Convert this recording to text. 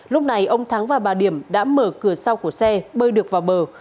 lúc này ông thắng và bà điểm đã mở cửa sau của xe bơi được vào bờ